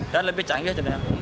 dan lebih canggih